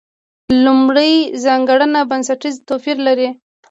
لومړۍ ځانګړنه بنسټیز توپیر لري.